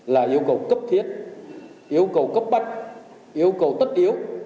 là yêu cầu cấp thiết yêu cầu cấp bách yêu cầu tất yếu